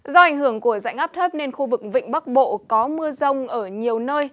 do ảnh hưởng của dạnh áp thấp nên khu vực vịnh bắc bộ có mưa rông ở nhiều nơi